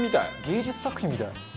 芸術作品みたい。